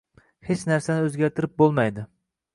Hech narsani o’zgartirib bo’lmaydi